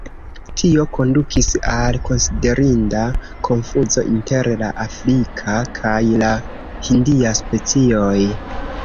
Tio kondukis al konsiderinda konfuzo inter la afrika kaj la hindia specioj.